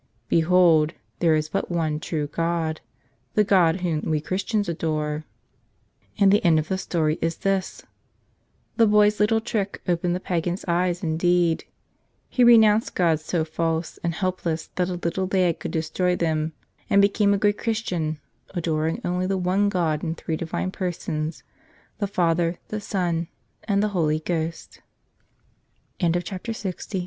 Behold, there is but one true God, the God Whom we Chris¬ tians adore." And the end of the story is this: The boy's little trick opened the pagan's eyes indeed. He renounced gods so false and helpless that a little lad could destroy them and became a good Christian, adoring only the one God in three divine Persons, the Father, the So